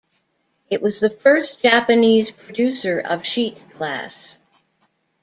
It was the first Japanese producer of sheet glass.